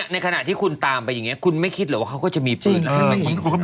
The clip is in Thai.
ในขณะที่คุณตามไปอย่างนี้คุณไม่คิดเหรอว่าเขาก็จะมีปืนลักษณะแบบนี้